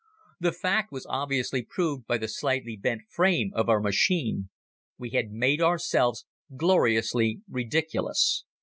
The fact was obviously proved by the slightly bent frame of our machine. We had made ourselves gloriously ridiculous.